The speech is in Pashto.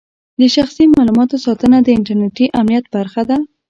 د شخصي معلوماتو ساتنه د انټرنېټي امنیت برخه ده.